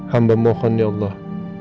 hamba mohon ya allah